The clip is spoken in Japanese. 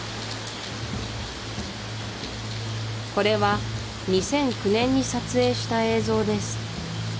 これは２００９年に撮影した映像です